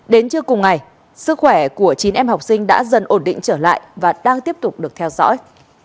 đến trưa cùng ngày sức khỏe của chín em học sinh đã dần ổn định trở lại và đang tiếp tục được theo dõi